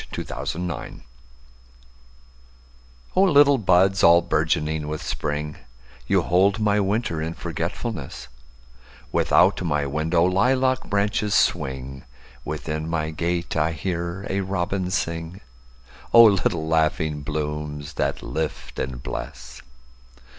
A Song in Spring O LITTLE buds all bourgeoning with Spring, You hold my winter in forgetfulness; Without my window lilac branches swing, Within my gate I hear a robin sing—O little laughing blooms that lift and bless!